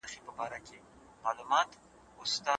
ایا دا ممکنه ده چې موږ بیا په کابل کې سره وګورو؟